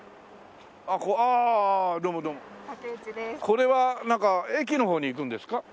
これはなんか駅の方に行くんですか？